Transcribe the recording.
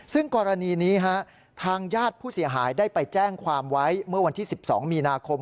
ซึ่งกรณีนี้ทางญาติผู้เสียหายได้ไปแจ้งความไว้